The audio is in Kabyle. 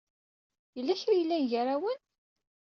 Yella kra ay yellan gar-awen?